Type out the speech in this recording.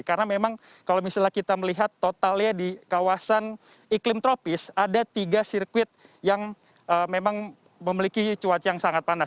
karena memang kalau misalnya kita melihat totalnya di kawasan iklim tropis ada tiga sirkuit yang memang memiliki cuaca yang sangat panas